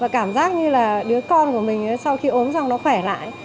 cảm giác như là đứa con của mình sau khi ốm xong nó khỏe lại